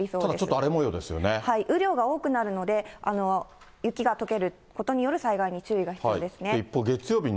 ただちょっと、雨量が多くなるので、雪がとけることによる災害に注意が必要ですね。